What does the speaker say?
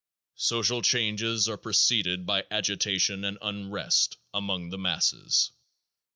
Social changes are preceded by agitation and unrest among the masses.